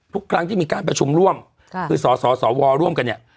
ทุกครั้งที่มีการประชุมร่วมคือสสวร่วมกันเนี่ย